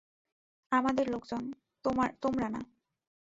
আমাদের লোকজন, তোমরা না।